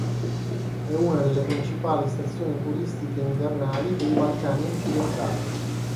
È una delle principali stazioni turistiche invernali dei Balcani occidentali.